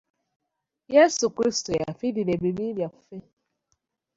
Yesu Kulisito yafirira ebibi byaffe.